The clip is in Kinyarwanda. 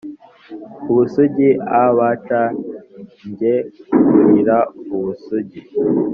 ubusugi abc njye kuririra ubusugi